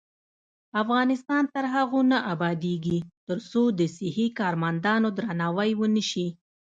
افغانستان تر هغو نه ابادیږي، ترڅو د صحي کارمندانو درناوی ونشي.